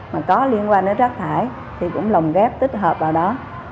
mà có liên quan đến rác thải thì cũng lồng ghép tích hợp vào đó